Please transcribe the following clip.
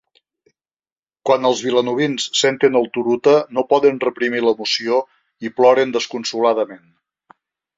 Quan els vilanovins senten el Turuta no poden reprimir l'emoció i ploren desconsoladament.